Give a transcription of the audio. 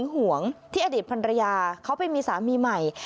ห่วงที่อดีตภรรยาเขาไปมีสามีใหม่